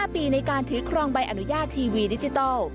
๕ปีในการถือครองใบอนุญาตทีวีดิจิทัล